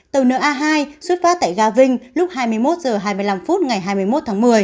tàu na hai xuất phát tại ga vinh lúc hai mươi một h hai mươi năm phút ngày hai mươi một tháng một mươi